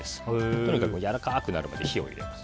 とにかくやわらかくなるまで火を入れます。